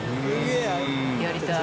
やりたい。